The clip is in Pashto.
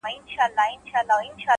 د حقیقت منل د درک پراختیا ده.!